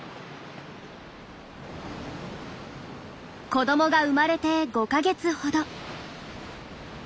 子どもが生まれて５か月ほど。